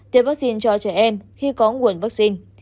tiêm vaccine cho trẻ em khi có nguồn vaccine